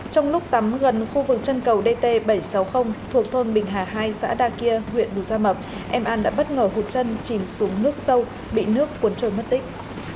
trong lúc tắm gần khu vực chân cầu dt bảy trăm sáu mươi thuộc thôn bình hà hai xã đa kia huyện đùa gia mập em an đã bất ngờ hụt chân chìm xuống nước sâu bị nước cuốn trôi mất tích